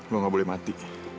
lo gak boleh mati